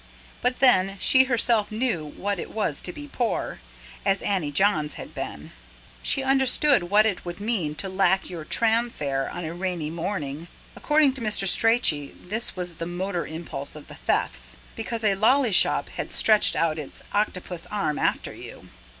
But then, she herself knew what it was to be poor as Annie Johns had been. She understood what it would mean to lack your tram fare on a rainy morning according to Mr. Strachey this was the motor impulse of the thefts because a lolly shop had stretched out its octopus arms after you.